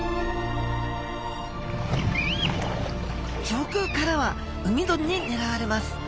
上空からは海鳥にねらわれます。